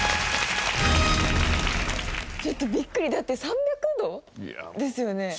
ちょっとビックリだって３００度ですよね？